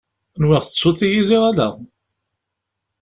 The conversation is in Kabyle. Nwiɣ tettuḍ-iyi ziɣ ala.